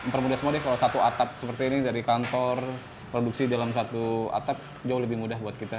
permudah semua deh kalau satu atap seperti ini dari kantor produksi dalam satu atap jauh lebih mudah buat kita